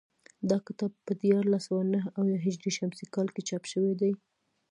دا کتاب په دیارلس سوه نهه اویا هجري شمسي کال کې چاپ شوی دی